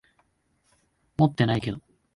持ってないけど。